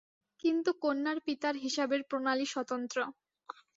কিন্তু কন্যার পিতার হিসাবের প্রণালী স্বতন্ত্র।